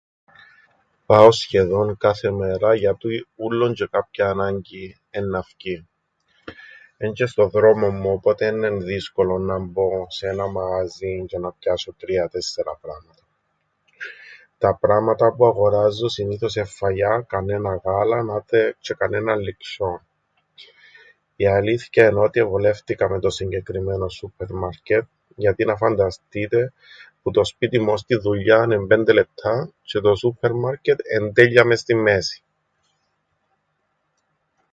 Πάω σχεδόν κάθε μέρα γιατί ούλλον τζ̆αι κάποια ανάγκη εννά φκει. Εν' τζ̆αι στον δρόμον μου οπότε έννεν' δύσκολον να μπω σε έναν μαγαζίν τζ̆αι να πιάσω 3-4 πράματα. Τα πράματα που αγοράζω συνήθως εν' φαγιά, κανέναν γάλαν, άτε τζ̆αι κανέναν λειξ̆ιον. Η αλήθκεια εν' ότι εβολεύτηκα με το συγκεκριμένον σούππερμαρκετ γιατί να φανταστείτε που το σπίτιν μου ώς την δουλειάν εν' 5 λεπτά τζ̆αι το σούππερμαρκετ εν' τέλεια μες στην μέσην.